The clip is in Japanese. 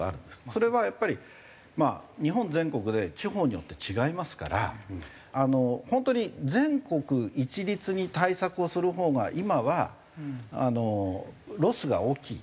それはやっぱり日本全国で地方によって違いますから本当に全国一律に対策をする方が今はロスが大きい。